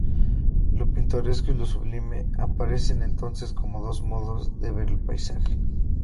Lo pintoresco y lo sublime aparecen entonces como dos modos de ver el paisaje.